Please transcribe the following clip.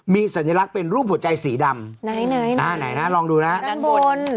มีสัญลักษณ์เป็นรูปหัวใจสีดำไหนลองดูนะด้านบน